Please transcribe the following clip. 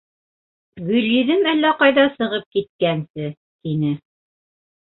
Гөлйөҙөм әллә ҡайҙа сығып киткәнсе... — тине.